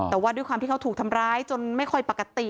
แต่ว่าด้วยความที่เขาถูกทำร้ายจนไม่ค่อยปกติ